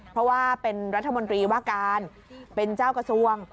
เพราะว่าเป็นรัฐมนตรีว่าการเป็นเจ้ากระทรวง